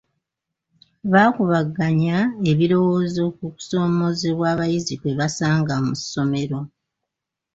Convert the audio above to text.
Baakubaganya ebirowozo ku kusoomoozebwa abayizi kwe basanga mu ssomero.